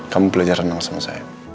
kamu belajar renang sama saya